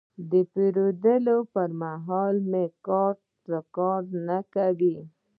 د پیرود پر مهال مې کارت کار نه کاوه.